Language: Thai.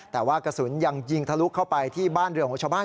แต่ว่ากระสุนยังยิงทะลุเข้าไปที่บ้านเรือนของชาวบ้าน